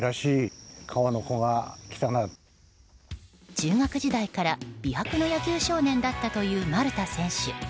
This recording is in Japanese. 中学時代から美白の野球少年だったという丸田選手。